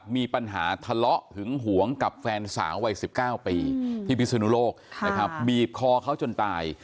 มีปัญหาทะเลาะหึงหวงกับแฟนสาววัย๑๙ปีที่พิศนุโลกนะครับบีบคอเขาจนตาย